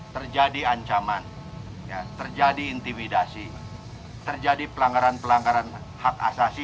terjadi ancaman terjadi intimidasi terjadi pelanggaran pelanggaran hak asasi